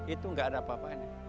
itu tidak ada apa apa